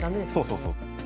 そうそう。